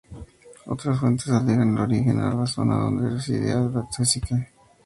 Otras fuentes alegan el origen a la zona donde residía el cacique.